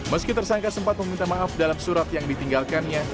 meski tersangka sempat meminta maaf dalam surat yang ditinggalkannya